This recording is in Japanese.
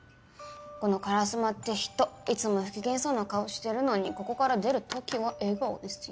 この烏丸って人いつも不機嫌そうな顔してるのにここから出る時は笑顔ですよ。